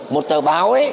một tờ báo ấy